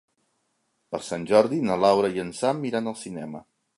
Per Sant Jordi na Laura i en Sam iran al cinema.